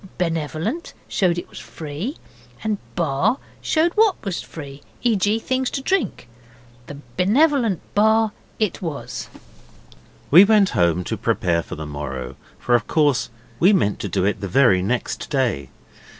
'Benevolent' showed it was free and 'Bar' showed what was free; e.g. things to drink. The 'Benevolent Bar' it was. We went home at once to prepare for the morrow, for of course we meant to do it the very next day.